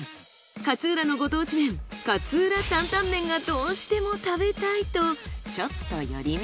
勝浦のご当地麺勝浦タンタンメンがどうしても食べたいとちょっと寄り道。